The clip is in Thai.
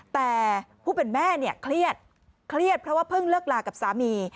แต่ผู้เป็นแม่เนี่ยเครียดเครียดเพราะว่าเพิ่งเลิกลากับสามี